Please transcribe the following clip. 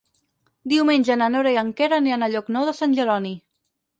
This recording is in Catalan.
Diumenge na Nora i en Quer aniran a Llocnou de Sant Jeroni.